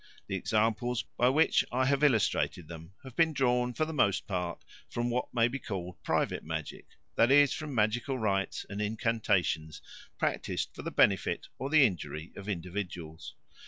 The examples by which I have illustrated them have been drawn for the most part from what may be called private magic, that is from magical rites and incantations practised for the benefit or the injury of individuals.